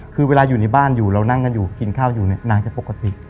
คือเวลาอยู่ในบ้านอยู่เรานั่งกันอยู่กินข้าวอยู่เนี่ยนางจะปกติ